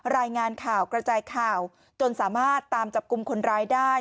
รายงานข่าวกระจายข่าวจนสามารถตามจับกลุ่มคนร้ายได้